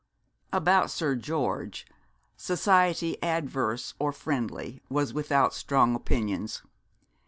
About Sir George, society, adverse or friendly, was without strong opinions.